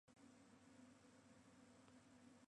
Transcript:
北海道音威子府村